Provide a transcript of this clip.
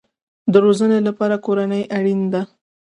د روزنې لپاره کورنۍ اړین ده